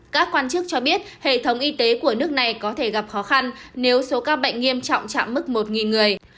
các quan chức cho biết hệ thống y tế của nước này có thể gặp khó khăn nếu số ca bệnh nghiêm trọng chạm mức một người